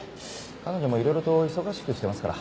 彼女もいろいろと忙しくしてますから。